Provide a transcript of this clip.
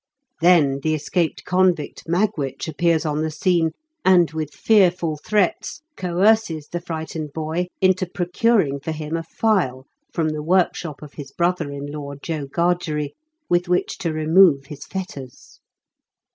Then the escaped convict, Magwitch, appears on the scene, and with fearful threats coerces the frightened boy into procuring for him a file from the workshop of his brother in law, Joe Gargery, with which to remove his fetters.